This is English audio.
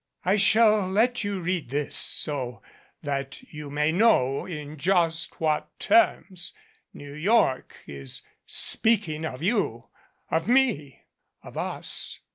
"I shall let you read this so that you may know in just what terms New York is speaking of you of me of us."